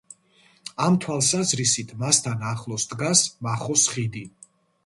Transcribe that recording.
ამ თვალსაზრისით მასთან ახლოს დგას მახოს ხიდი.